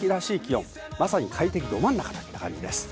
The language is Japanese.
まさに快適どまんなかといった感じです。